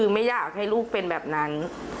คือไม่อยากให้ลูกเป็นแบบนั้น